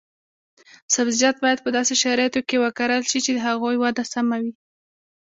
سبزیجات باید په داسې شرایطو کې وکرل شي چې د هغوی وده سمه وي.